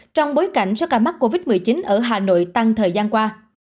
trong bối cảnh số ca mắc covid một mươi chín ở hà nội tăng thời gian qua